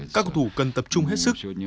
các cầu thủ cần tập trung hết sức